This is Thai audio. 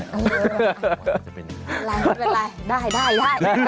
อะไรไม่เป็นไรได้ได้ได้